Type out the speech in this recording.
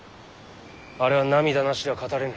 あれは涙なしでは語れぬ。